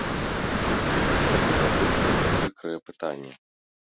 Гэта было дужа прыкрае пытанне.